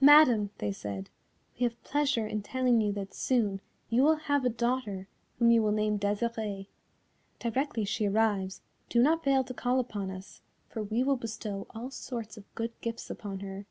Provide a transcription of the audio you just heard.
"Madam," they said, "we have pleasure in telling you that soon you will have a daughter whom you will name Desirée. Directly she arrives, do not fail to call upon us, for we will bestow all sorts of good gifts upon her.